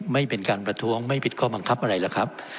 ไม่เป็นการประท้วงไม่ผิดข้อบังคับอะไรหรอกครับ